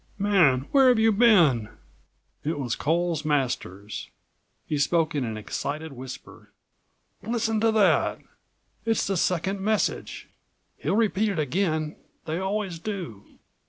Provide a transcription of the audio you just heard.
"Man! where have you been?" It was Coles Masters. He spoke in an excited whisper. "Listen to that! It's the second message. He'll repeat it again. They always do."